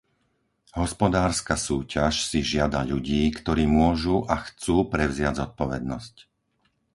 Hospodárska súťaž si žiada ľudí, ktorí môžu a chcú prevziať zodpovednosť.